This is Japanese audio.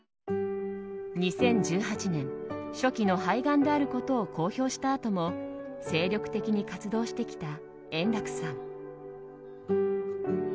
２０１８年初期の肺がんであることを公表したあとも精力的に活動してきた円楽さん。